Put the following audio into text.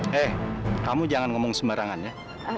hei kamu jangan ngomong sembarangan ya